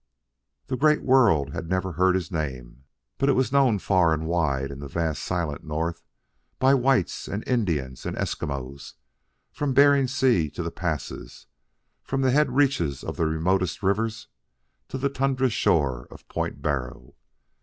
The great world had never heard his name, but it was known far and wide in the vast silent North, by whites and Indians and Eskimos, from Bering Sea to the Passes, from the head reaches of remotest rivers to the tundra shore of Point Barrow.